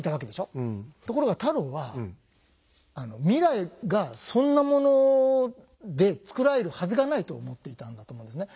ところが太郎は未来がそんなものでつくられるはずがないと思っていたんだと思うんですね。